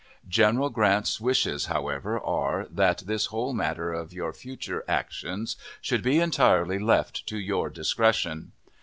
General Grant's wishes, however, are, that this whole matter of your future actions should be entirely left to your discretion.